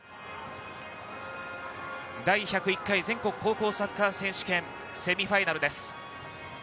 第１０１回全国高校サッカー選手権、セミファイナルです。